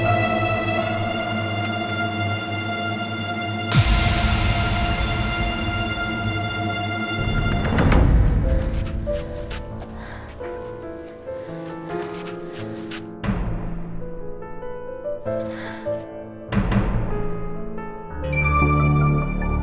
aku akan mencari cherry